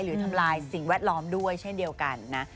ทำลายสิ่งแวดล้อมด้วยเช่นเดียวกันนะ